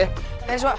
terima kasih pak